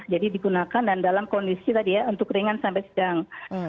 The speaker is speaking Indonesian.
jadi digunakan dan dalam kondisi tadi ya untuk ringan sampai sedang